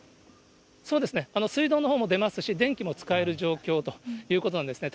そうですね、水道のほうも出ますし、電気も使える状況ということなんですね。